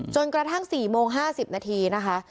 จนกระทั่ง๔โมง๕๐นาทีนะคะ